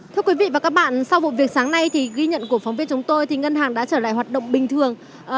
thưa quý vị và các bạn sau vụ việc sáng nay thì ghi nhận của phóng viên chúng tôi thì ngân hàng đã trở lại hoạt động bình thường